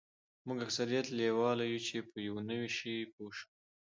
موږ اکثریت لیواله یوو چې په یو نوي شي پوه شو